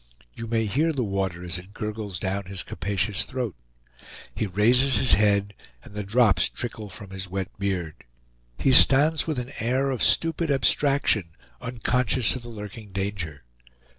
You may hear the water as it gurgles down his capacious throat. He raises his head, and the drops trickle from his wet beard. He stands with an air of stupid abstraction, unconscious of the lurking danger.